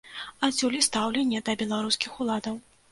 Адсюль і стаўленне да беларускіх уладаў.